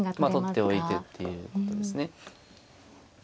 まあ取っておいてっていうことですね。